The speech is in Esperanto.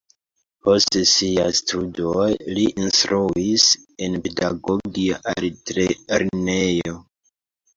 Post siaj studoj li instruis en pedagogia altlernejo.